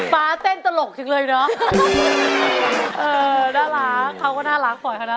ป๊าเต้นตลกจริงเลยเนี่ย